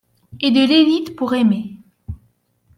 Et de l'élite pour aimer. "